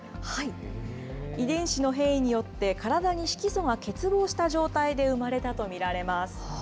遺伝子の変異によって、体に色素が欠乏した状態で生まれたと見られます。